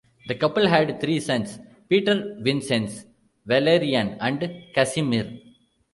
The couple had three sons: Pieter Vincenz, Valerian, and Casimir.